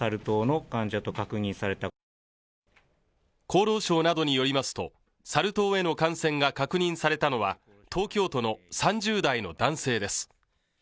厚労省などによりますとサル痘への感染が確認されたのは東京都の３０代の男性です。